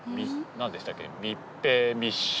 何でしたっけ。